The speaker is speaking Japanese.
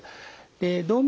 動脈。